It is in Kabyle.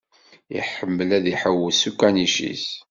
Iḥemmel ad iḥewwes s ukanic-is.